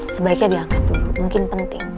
sebaiknya diangkat dulu mungkin penting